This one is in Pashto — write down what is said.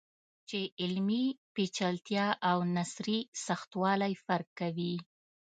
چې علمي پیچلتیا او نثري سختوالی فرق کوي.